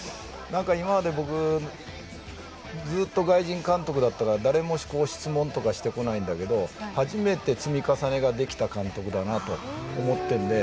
今まで、僕はずっと外国人監督だったから誰も質問とかしてこないけど初めて積み重ねができた監督だと思っているので。